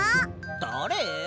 だれ？